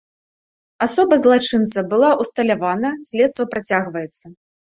Асоба злачынца была ўсталявана, следства працягваецца.